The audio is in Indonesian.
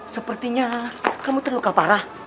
sepertinya mu terluka parah